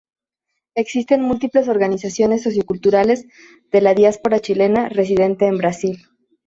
Existen múltiples organizaciones socioculturales de la diáspora chilena residente en Brasil.